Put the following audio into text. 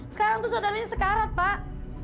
sekarang tuh saudaranya sekarat pak